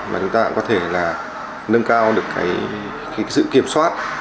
mà chúng ta có thể nâng cao được sự kiểm soát